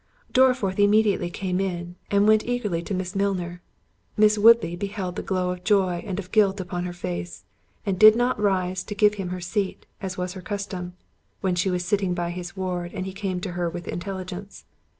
Dorriforth immediately came in, and went eagerly to Miss Milner. Miss Woodley beheld the glow of joy and of guilt upon her face, and did not rise to give him her seat, as was her custom, when she was sitting by his ward and he came to her with intelligence.